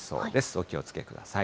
お気をつけください。